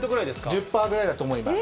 １０パーぐらいだと思います。